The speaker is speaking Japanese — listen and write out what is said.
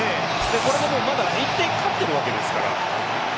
これでも、まだ１点勝っているわけですから。